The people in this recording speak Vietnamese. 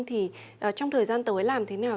thì trong thời gian tới làm thế nào